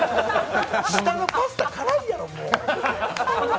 下のパスタ、辛いやろ。